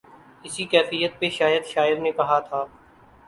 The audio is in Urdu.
اسی کیفیت پہ شاید شاعر نے کہا تھا۔